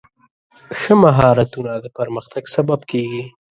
ښه مهارتونه د پرمختګ سبب کېږي.